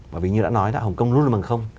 bởi như đã nói hồng kông luôn luôn bằng không